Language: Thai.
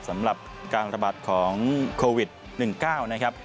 สำหรับการระบาดของโควิด๑๙นะครับ